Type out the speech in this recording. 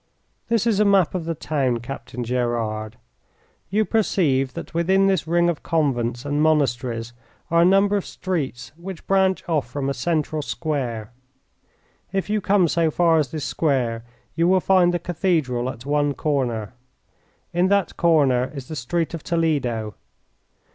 This is a map of the town, Captain Gerard. You perceive that within this ring of convents and monasteries are a number of streets which branch off from a central square. If you come so far as this square you will find the cathedral at one corner. In that corner is the street of Toledo.